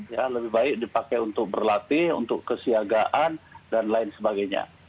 ya lebih baik dipakai untuk berlatih untuk kesiagaan dan lain sebagainya